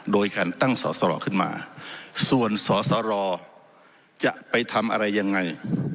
โดยการตั้งสอสรขึ้นมาส่วนสสรจะไปทำอะไรยังไง